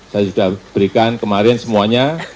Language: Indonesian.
saya sudah berikan kemarin semuanya